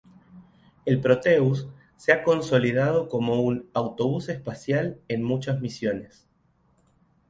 El Proteus se ha consolidado como un "autobús espacial" en muchas misiones.